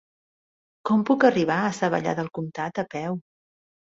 Com puc arribar a Savallà del Comtat a peu?